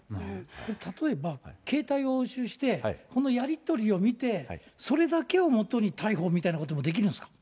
例えば、携帯を押収して、このやり取りを見て、それだけをもとに逮捕みたいなこともできるんですか？